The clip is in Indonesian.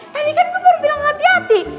tadi kan gue baru bilang hati hati